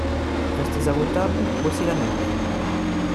Restez à vos tables ; voici la nôtre…